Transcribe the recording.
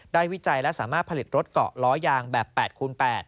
วิจัยและสามารถผลิตรถเกาะล้อยางแบบ๘คูณ๘